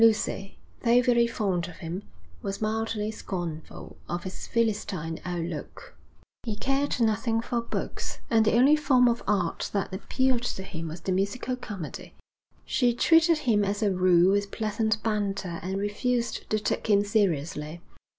Lucy, though very fond of him, was mildly scornful of his Philistine outlook. He cared nothing for books, and the only form of art that appealed to him was the musical comedy. She treated him as a rule with pleasant banter and refused to take him seriously.